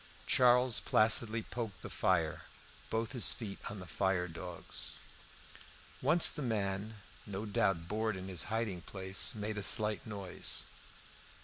Charles placidly poked the fire, both his feet on the fire dogs. Once the man, no doubt bored in his hiding place, made a slight noise.